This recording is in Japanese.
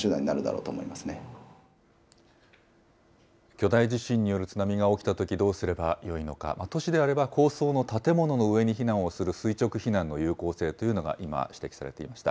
巨大地震による津波が起きたときにどうすればよいのか、都市であれば高層の建物の上に避難する垂直避難の有効性というのが今、指摘されていました。